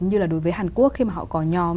như là đối với hàn quốc khi mà họ có nhóm